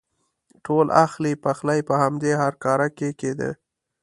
ټول اخلی پخلی په همدې هرکاره کې کېده.